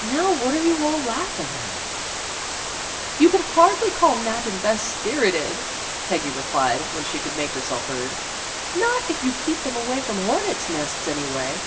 Now what are you all laughing at?" "You could hardly call Nat and Bess spirited," Peggy replied, when she could make herself heard. "Not if you keep them away from hornets' nests, anyway."